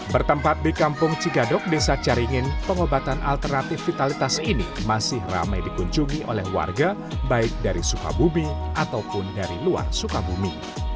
bertempat di kampung cigadok desa caringin pengobatan alternatif vitalitas ini masih ramai dikunjungi oleh warga baik dari sukabumi ataupun dari luar sukabumi